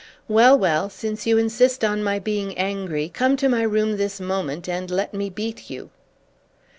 "Well, well; since you insist on my being angry, come to my room this moment, and let me beat you!"